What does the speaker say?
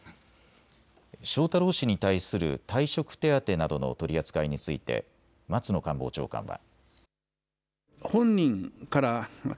翔太郎氏に対する退職手当などの取り扱いについて松野官房長官は。